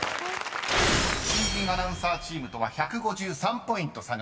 ［新人アナウンサーチームとは１５３ポイント差があります］